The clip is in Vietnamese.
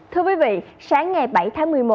thưa quý vị sáng ngày bảy tháng một mươi một